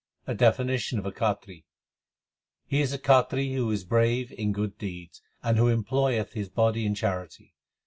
A definition of a Khatri : He is a Khatri who is brave in good deeds And who employeth his body in charity.